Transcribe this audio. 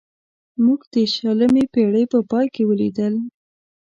موږ د شلمې پېړۍ په پای کې ولیدل.